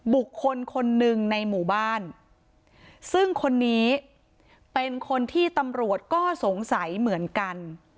บุคคลคนหนึ่งในหมู่บ้านซึ่งคนนี้เป็นคนที่ตำรวจก็สงสัยเหมือนกัน